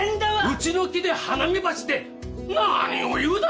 うちの木で花見ばして何を言うだ！